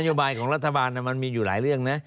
โยบายของรัฐบาลมันมีอยู่หลายเรื่องนะ